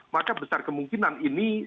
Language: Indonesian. maka besar kemungkinan ini